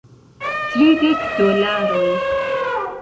Tridek dolaroj